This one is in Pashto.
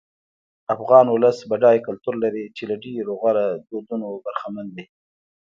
افغان ولس بډای کلتور لري چې له ډېرو غوره دودونو برخمن دی.